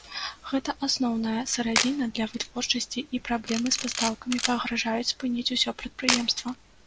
Гэта асноўная сыравіна для вытворчасці і праблемы з пастаўкамі пагражаюць спыніць усё прадпрыемства.